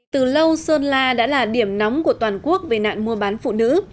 từ lâu sơn la đã là điểm nóng của toàn quốc về nạn mua bán phụ nữ